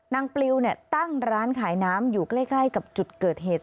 ปลิวตั้งร้านขายน้ำอยู่ใกล้กับจุดเกิดเหตุ